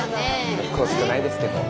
結構少ないですけど。